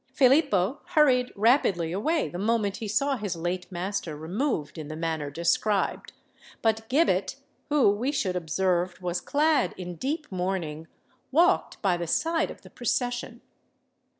Filippo hurried rapidly away the moment he saw his late master removed in the manner described; but Gibbet, who, we should observe, was clad in deep mourning, walked by the side of the procession.